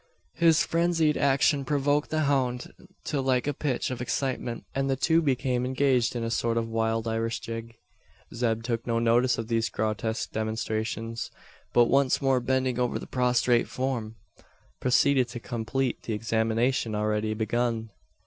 His frenzied action provoked the hound to a like pitch of excitement; and the two became engaged in a sort of wild Irish jig. Zeb took no notice of these grotesque demonstrations; but, once more bending over the prostrate form, proceeded to complete the examination already begun.